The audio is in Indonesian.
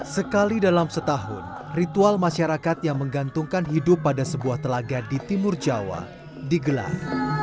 sekali dalam setahun ritual masyarakat yang menggantungkan hidup pada sebuah telaga di timur jawa digelar